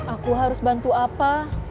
aku harus bantu apa